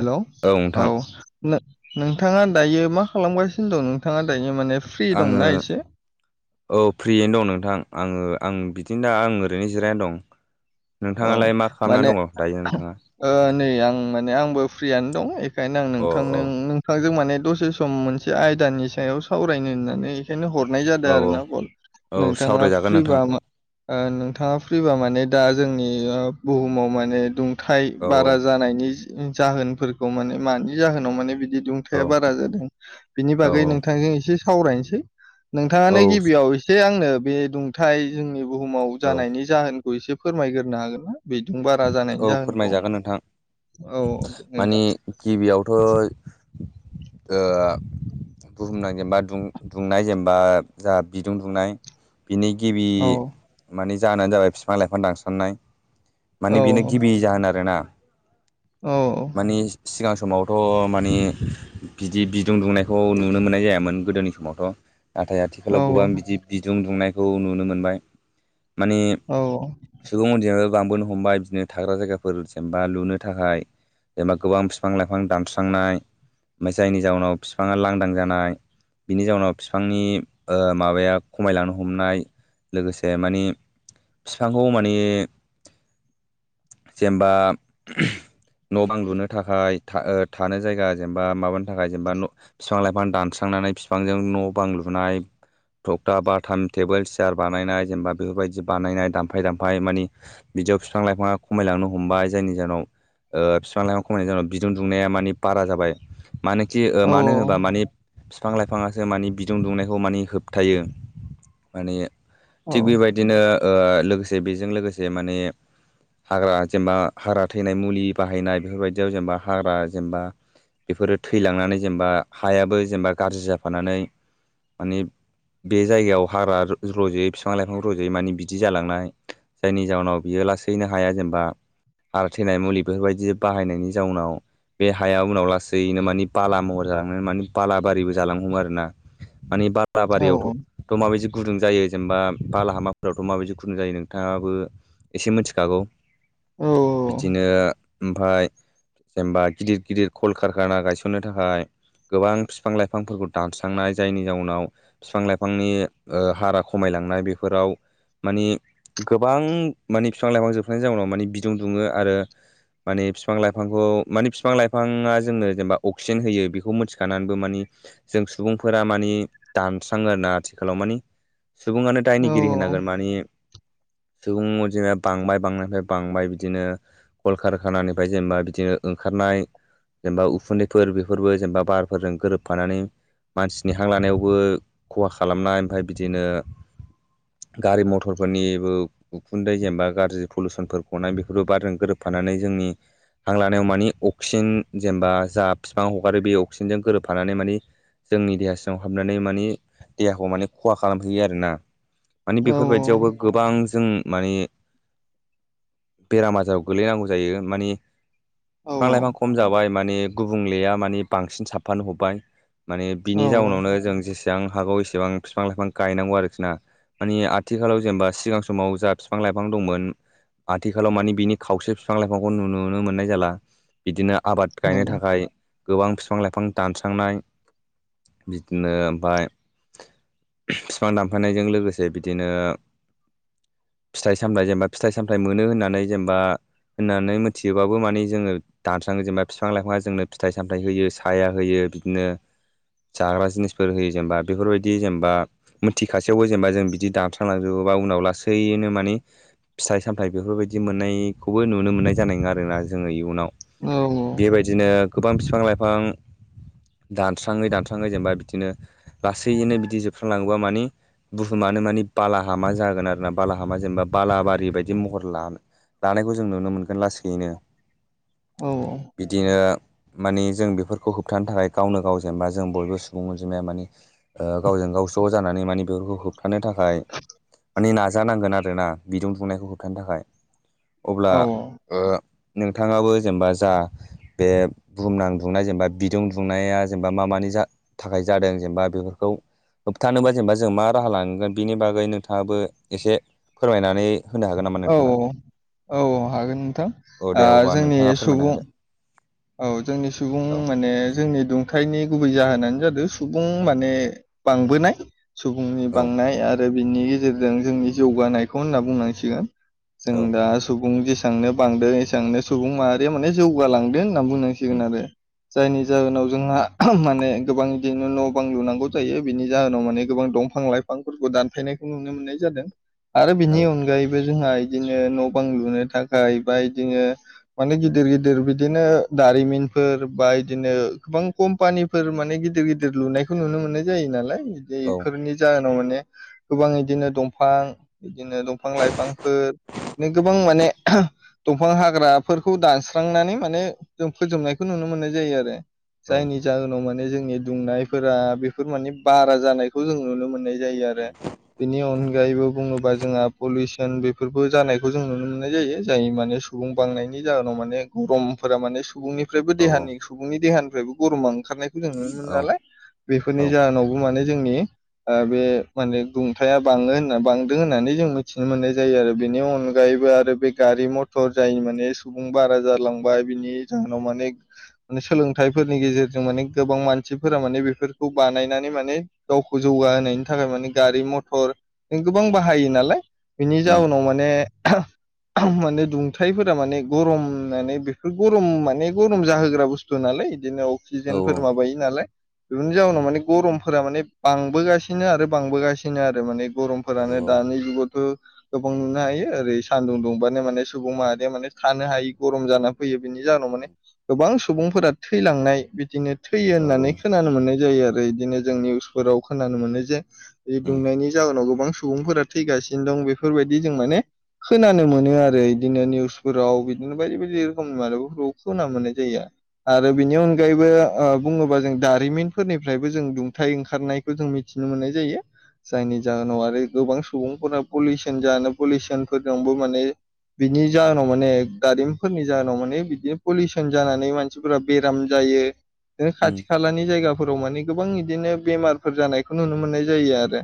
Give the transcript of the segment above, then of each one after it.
हेल' औ नोंथां औ नोंथाङा दायो मा खालामगासिनो दं नोंथाङा दायो माने? फ्रि आङो दंना एसे औ फ्रियैनो दं नोंथां आङो आं बिदिनो दा आं ओरैनो जिरायनानै दं। औ नोंथाङालाय मा खालामनानै माने दङ दायो नोंथाङा नै आं माने आंबो फ्रियानो दं बेखायनो आं अ नोंथां अ नोंथांजों माने दसे सम मोनसे आयदानि सायाव सावरायनो होननानै बेखायनो हनाय जादों औ आरोना नोंथा फब औ सावरायजागोन नोंथां नोंथाङा फ्रिबा माने दा जोंनि बुहुमाव माने दुंथाय औ औ बारा जानायनि जाहोनफोरखौ माने मानि जाहोनाव माने बिदि औ दुंथाया बारा जादों बिनि बागै नोंथांजों एसे सावरायनोसै औ नोंथाङानो गिबियाव एसे आंनो बे दुंथाय जोंनि बुहुमाव औ जानायनि जाहोन एसे फोरमायग्रोनो हागोन ना बेजों बारा जानायनि जाहोनखौ? औ माने नोंथां गिबियावथ' बुहुमनां जेनेबा दुंनाय जेनेबा जाहा बिदुं दुंनाय बिनि गिबि औ माने जाहोनानो जाबाय बिफां लाइफां दानसननाय औ माने बेनो गिबि जाहोन आरो ना औ माने सिगां समावथ' माने बिदि बिदुं दुंनायखौ नुनो मोननाय जायामोन गोदोनि समावथ' नाथाय औ आथिखालाव गोबां बिदि बिदुं दुंनायखौ नुनो मोनबाय। माने औ सुबुं अनजोंबो लांबोनो हमबाय बिदिनो थाग्रा जायगाफोर जेनबा लुनो थाखाय जेनेबा गोबां बिफां लाइफां दानस्रांनाय ओमफ्राय जायनि जाउनाव बिफाङा लांदां जानाय बिनि जाउनाव बिफांनि माबाया खमायलांनो हमनाय लोगोसे माने बिफांखौ माने जेनबा न' बां लुनो थाखाय था थानो जायगा जेनेबा माबानो थाखाय जेनबा बिफां लाइफां दानस्रांनानै फिफांजों न' बां लुनाय थखथा बाथाम टेबोल सियार बानायनाय जेनेबा बेफोरबायदि बानायनाय दामफाय दामफाय मानि बिदियाव बिफां लाइफाङा खमायलांनो हमबाय जायनि जाहोनाव ओ बिफां लाइफां खमायनाय जेनेबा बिदुं दुंनाया मानि बारा जाबाय मानोखि ओ औ मानो होनोब्ला माने बिफां लाइफाङासो माने बिदुं दुंनायखौ माने होबथायो माने औ थिग बेबायदिनो ओ लोगोसे बेजों लोगोसे माने हाग्रा जेनेबा हाग्रा थैनाय मुलि बाहायनाय बेफोरबायदियाव जेनेबा हाग्रा जेनेबा बेफोरो थैलांनानै जेनेबा हायाबो जेनेबा गाज्रि जाफानानै माने बे जायगायाव हाग्रा रज'यै फिफां लाइफां रज'यै मानि बिदि जालांनाय जायनि जाहोनाव बियो लासैनो हाया जेनबा हा थैनाय मुलि बेफोरबायदि बाहायनायनि जाउनाव बे हाया उनाव लासैनो माने बाला महर जालांनो माने बालाबारिबो जालांनो हमो आरोना। माने बार औ बारियावथ' औ औ थ माबिजिब गुदुं जायो जेनबा बालाहामाफोरावथ' माबायदि गुदुं जायो नोंथाङाबो एसे मिथिखागौ। बिदिनो ओमफाय जेनबा गिदिर गिदिर कल कारखाना गायसननो थाखाय गोबां फिफां लाइफांफोरखौ दानस्रांनाय जायनि जाउनाव फिफां लाइफांनि ओ हारा खमाय लांनाय बेफोराव माने गोबां माने बिफां लाइफां जोबस्रांनायनि जाउनाव माने बिदुं दुङो आरो माने फिफां लाइफांखौ माने फिफां लाइफाङा जोंनो जेनबा अक्सिजेन होयो बेखौ मोन्थिखानानैबो माने जों सुबुंफोरा माने दानस्राङो आरोना आथिखालाव माने सुबुङानो दायनिगिरि औ होनांगोन माने सुबुं‌ अनजिमाया बांबाय बांनायनिफाय बांबाय बिदिनो कल खार खानानिफाय जेनेबा बिदिनो ओंखारनाय जेनेबा उखुन्दैफोर बेफोरबो जेनेबा बारफोरजों गोरोबफानानै मानसिनि हां लानायावबो खहा खालामनाय ओमफाय बिदिनो गारि मथरफोरनिबो उखुन्दै जेनेबा गाज्रि पलुसनफोर गनाय बेफोरबो बारजों गोरोब फानानै जोंनि हां लानायाव माने अक्सिजेन जेनेबा जा बिफां हगारो बे अक्सिजेनजों गोरोबफानानै माने जोंनि देहा सिङाव हाबनानै माने देहाखौ माने खहा खालामफैयो आरोना। माने बेफोरबायदियावबो गोबां जों माने बेराम आजाराव गोलैनांगौ जायो माने फिफां लाइफां खम जाबाय माने गुबुंलेया माने बांसिन साबफानो हमबाय माने बिनि जाउनावनो जों जेसे सेबां हागौ एसेबां फिफां लाइफां गायनांगौ आरोखि ना। माने आथिखालाव जेनेबा सिगां समाव जा फिफां लाइफां दंमोन आथिखालाव माने बिनि खावसे फिफां लाइफांखौ नुनो नुनो मोननाय जाला बिदिनो आबाद गायनो थाखाय गोबां फिफ फिफां लाइफां दानस्रांनाय बिदिनो ओमफाय फिफां दानफायनायजों लोगोसे बिदिनो फिथाइ सामथाय जेनेबा फिथाइ सामथाय मोनो होननानै जेनेबा होननानै मोथियोबाबो मानि जोङो दानस्राङो जेनेबा फिफां लाइफाङा जोंनो फिथाइ सामथाय होयो साया हो होयो बिदिनो जाग्रा जिनिसफोर होयो जेनबा बेफोरबायदि जेनबा मोथिखासेयावबो जेनबा जों बिदि दानस्रांलाजोबो। एबा उनाव लासैनो माने फिथाइ सामथाय बेफोरबायदि मोननाय खौबो नुनो मोननाय जानाय नोङा आरोना जोङो इयुनाव बेबायदिनो गोबां फिफां लाइफां दानस्राङै दानस्राङै जेनबा बिदिनो लासैनो बिदि जोबस्रांलाङोबा माने बुहुमानो माने बालाहामा जागोन आरो ना बालाहामा जेनेबा बालाबारि बायदि महर लानो लानायखौ जों नुनो मोनगोन लासैनो बिदिनो माने जों बेफोरखौ होबथानो थाखाय गावनो गाव‌ जेनबा जों बयबो सुबुं अनजिमाया माने ओ गावजों गाव गाव ज जानानै माने बेफोरखौ होबथानो थाखाय माने नाजानांगोन आरोना बिदुं दुंनायखौ होबथानो थाखाय। अब्ला औ ओ नोंथाङाबो जेनेबा जा बे बुहुमनां दुंनाय जेनेबा बिदुं दुंनाया जेनेबा मा मानि जा थाखाय जादों जेनेबा बेफोरखौ होबथानोबा जेनेबा जों मा राहा लानांगोन बिनि बागै नोंथाङाबो एसे फोरमायनानै होनो हागोन नामा औ नोंथाङा औ औ हागोन नोंथां औ ओ दे अब्ला जोंनि नोंथाङा फोरमायना सुबुं होदो औ जोंनि सुबुं माने जोंनि दुंथायनि गुबै जाहोनानो जादों सुबुं माने बांबोनाय सुबुंनि औ बांनाय आरो बिनि गेजेरजों जोंनि जौगानायखौ होनना बुंनांसिगोन जों औ दा सुबुं जे एसांनो बांदों एसबांनो सुबुं माहारिया माने जौगालांदों होनना बुंनांसिगोन उम आरो जायनि जाहोनाव जोंहा [unintelligible] माने गोबां बिदिनो न' बां लुनांगौ जायो बिनि जाहोनाव माने गोबां दंफां लाइफांफोरखौ दानफायनायखौ नुनो मोननाय जादों आरो औ बिनि अनगायैबो जोंहा इदिनो न' बां लुनो थाखाय बा बिदिनो माने गिदिर गिदिर बिदिनो दारिमिनफोर बा बिदिनो गोबां कम्पानिफोर माने गिदिर गिदिर लुनायखौ नुनो मोननाय जायो नालाय औ बेफोरनि जाहो न माने गोबां इदिनो दंफां बिदिनो दंफां लाइफांफोर गोबां माने [unintelligible] दंफां हाग्राफोरखौ दानस्रांनानै माने जों फोजोबनायखौ नुनो मोननाय जायो आरो औ जायनि जाहोनाव माने जों नि दुंनायफोरा बेफोर माने बारा जानायखौ जों नुनो मोननाय जायो आरो उम बिनि अनगायैबो बुङोबा जोंहा पलिउसन बेफोरबो जानायखौ जों नुनो मोननाय जायो जाय माने सुबुं उम बांनायनि जाहोन नाव माने गरमफोरा माने सुबुंनिफ्रायबो औ देहानि सुबुंनि देहानिफ्रायबो गरमा ओंखारनायखौ जों नुनो मोनो औ नालाय औ बेफोरनि जाहोनावबो माने जोंनि आ बे माने गुंथाया बाङो होनना बांदों होननानै जों मिथिनो मोननाय जायो आरो बेनि अनगायै बो आरो बे गारि मथर जाय माने सुबुं बारा जालांबाय बिनि जाहोनाव मानेे सोलोंथाइफोरनि गेजेरजों माने गोबां मानसिफोरा माने बेफोरखौ बानायनानै माने गावखौ जौगाहायनि थाखाय माने गारि मथर गोबां बाहायो नालाय बिनि उम जाउोनाव माने [unintelligible] माने दुंथाइफोरा माने गरमनानै बे ग गरम माने गरम जाहोग्रा बुस्थु नालाय बिदिनो औ अक्सिजेनफोर औ उम माबायो नालाय बेफोरनि जउनाव माने गरम फोर माने बांबोगासिनो आरो बांबोगासिनो आरो माने औ गरमफोरानो दानि जुगावथ' गोबां नुनो हायो ओरै सानदुं दुंबानो माने सुबुं माहारिया माने थानो हायि गरम जाना फैयो बिनि जाहोनाव माने उम गोबां सुबुंफोरा थैलांनाय बिदिनो थैयो औ होननानै खोनानो मोननाय जायो आरो आरो बिदिनो जों उम निउसफोराव खोनानो मोनो जे बे उम दुंनायनि जाहोनाव गोबां सुबुंफोरा थैगासिनो दं बेफोरबायदि जों माने खोनानो मोनो आरो इदिनो निउस फोराव उम बिदिनो बायदि बायदि [unintelligible] मोननाय जाया आरो बिनि अनगायैबो बुङोबा जों दारिमिनफोरनि फ्रायबो जों दुंथाइ ओंखारनायखौ जों मिथिनो मोननाय जायो। जायनि जाहोनाव आरो गोबां सुबुंफोरा पलिउसन जानो पलिउसनफोरनावबो माने बिनि जाहोनाव माने दारिमनफोरनि जाहोनाव माने बिनो पलिउसन जानानै मानसिफोरा बेराम जायो खाथि उम खालानि जायगा फोराव मानि गोबां बिदिनो बेमारफोर जानायखौ नुनो मोननाय जायो आरो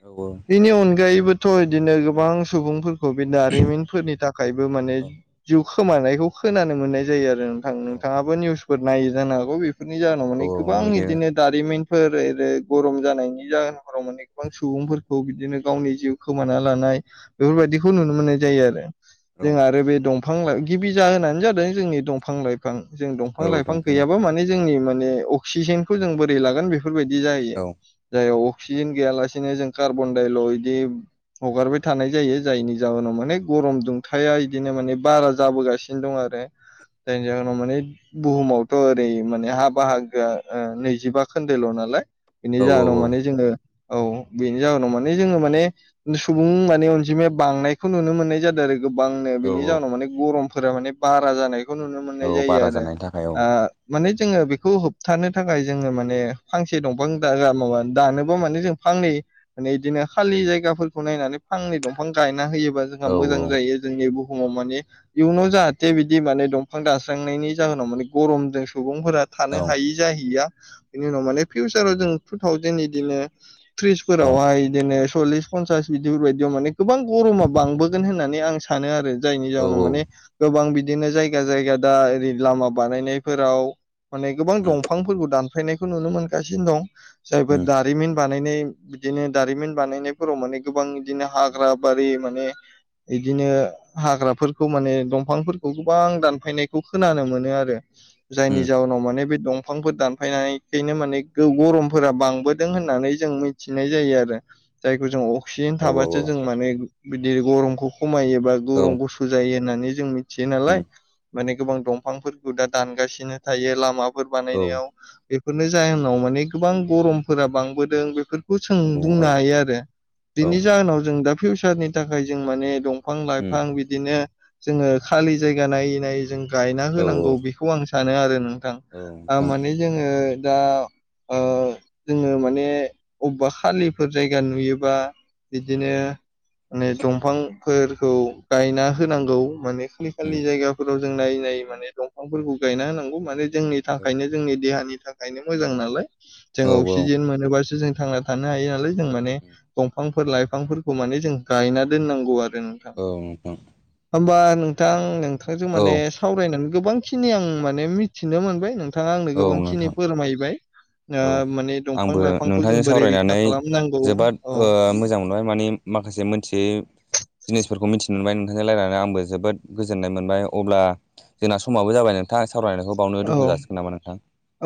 औ बेनि अनगायैबोथ' इदिनो गोबां सुबुंफोरखौ बे दारिमिनफोरनि थाख खायबो माने औ जिउ खोमानायखौ खोनानो मोननाय जायो आरो नोंथां औ नोंथाङाबो निउसफोर नायो जानो हागौ बे बेफोरनि औ जाहोनाव माने औ गोबां नुयो इदिनो दारिमिनफोर एरै गरम जानायनि जाहोनफोराव माने गोबां सुबुंफोरखौ बिदिनो गावनि जिउ खोमाना लानाय बेफोरबायदि बिदिखौ नुनो मोननाय जायो आरो औ जों आरो बे दंफां लाइ गिबि जाहोनानो जादों जोंनि दंफां लाइफां जों दंफां लाइफां गैयाबा माने जोंनि माने अक्सिजेनखौ जों बोरै लागोन बे बेफोरबायदि जायो औ जाय अक्सिजेन गैयालासेनो जों कार्बन दायल' बिदि हगारबाय थानाय जायो जायनि जाहोनाव माने गरम दुंथाया बिदिनो माने बारा जाबोगासिनो द आरो जायनि जाहोनाव माने बुहुमावथ' ओरै माने हा बाहागोया नैजिबा खोन्दोल' नालाय बेनि औ औ जाहोनाव माने जोङो औ बेनि जाहोनाव माने जोङो माने सुबुं माने अनजिमाया बांनायखौ नुनो मोननाय जादों आरो। गोबांनो औ बिनि औ जाउनाव माने गरमफोरा माने बारा जानाय बे नुनो औ मोननाय जायो बारा आरो जानायनि थाखाय औ आ- माने जोङो बेखौ होबथानो थाखाय जोङो माने फांसे दंफां मावा दानोबा माने जों फांनै बिदिनो खालि जायगाफोरखौ नायनानै फांनै दंफां गायना होयो। जोंहा औ मोजां जायो जोंनि बुहुमाव माने इयुनाव जाहाथे बिदि माने दंफां दानास्रांनायनि जाहोनाव माने गरमजों सुबुंफोरा औ थानो हायि जाहैया बेनि उनाव माने फिउचाराव जों टु थावजेेन बिदिनो औ फ्रिजफोरावहाय बिदिनो सल्लिस पन्सास बिदिफोरबायदियाव माने गोबां गरमा बांबोगोन होननानै आं सानो आरो जायनि औ जाउनाव औ माने गोबां बिदिनो जायगा जायगा दा ओरै लामा बानायनायफोराव माने गोबां उम दंफांफोरखौ दानफायनायखौ नुनो मोनगासिनो दं जायफोर दारिमिन बानायनाय बिदिनो दारिमिन बानायनायफोराव माने गोबां बिदिनो हाग्रा उम बारि माने बिदिनो हाग्राफोरखौ माने दंफांफोरखौ गोबां दानफायनायखौ खोनानो मोनो आरो उम जायनि जाउनाव माने बे दंफां दंफांफोर दानफायनायखायनो माने गरमफोरा बांबोदों होननानै जों मिथि थिनाय उम जायो आरो जायखौ जों अक्सिजेन औ थाबासो जों माने बिदि गरमखौ खमायोबा औ गौरम गुसु जायो होननानै जों मिथियो उम नालाय माने गोबां दंफांफोरखौ दा दानगासिनो थायो लामाफोर औ बानायनायाव बेफोरनि जाहोनाव माने गोबां गरमफोरा बांबोदों बेफोर जों बुंनो हायो आरो औ बिनि जाहोनाव जों दा फिउचारनि थाखाय जों माने दंफां दंफां उम लाइफां बिदिनो जोङो खालि जायगा नायै नायै जों गायना औ होनांगौ बेखौ आं सानो आरो नोंथां औ नोंथां माने जोङो दा ओ जोङो माने अबेबा खालिफोर जायगा नुयोबा औ बिदिनो माने दंफांफोरखौ गायना होनांगौ माने खालि खालि उम जायगाफोराव जों नायै नायै माने दंफांफोरखौ गायना होनांगौ माने जोंनि औ थाखायनो जोंनि देहानि थाखायनो मोजां नालाय जों औ अक्सिजेन मोनोबासो जों थांना थानो हायो नालाय जों माने दंफांफोर लाइफांफोरखौ माने जों गायना दोननांगौ आरो नोंथां औ होमबा नोंथां नोंथांजों माने सावरायनानै गोबां खिनि आं माने मिथिनो मोनबाय नों थाङा आंनो औ नोंथां गोबांखिनि फोरमायबाय ओ औ माने दंफां आंबो लाइफांखौ जों नोंथांजों बोरै रैखा सावरायनानै खालामनांगौ जोबोद औ ओ मोजां मोनबाय मानिे माखासे मोनथियै जिनिस फोरखौ मिथिनो मोनबाय नोंथांजों रायनानै आंबो जोबोद गोजोन्नाय मोनबाय अब्ला जोंना समाबो जाबाय नोंथां। सावरायनायखौ बावनो दोनथ' औ जाासिगोन नामा नोंथां।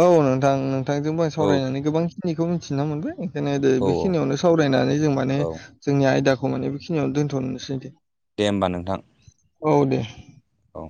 औ नोंथां नोंथांजोंबो आं औ सावरायनानै गोबांखिनिखौ मिथिना मोनबाय ओंखायनो गोदो औ औ बेखिनियावनो सावरायनानै जों माने औ जोंनि आयदाखौ माने बेखिनियावनो दोन्थ'नोसैदि दे होमबा नोंथां औ